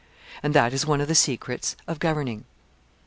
And that is one of the secrets of governing.